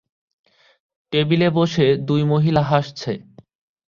টেবিলে বসে দুই মহিলা হাসছে